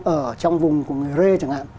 ở trong vùng của người rê chẳng hạn